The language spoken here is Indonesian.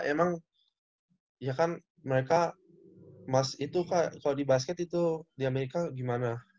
emang ya kan mereka mas itu kalau di basket itu di amerika gimana